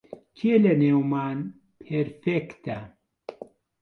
کێ لەنێومان پێرفێکتە؟